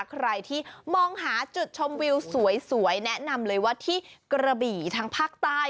ใครที่มองหาจุดชมวิวสวยแนะนำเลยว่าที่กระบี่ทางภาคใต้